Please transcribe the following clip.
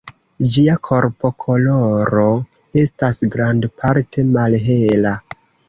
Ĝia korpokoloro estas grandparte malhela.